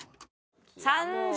３０。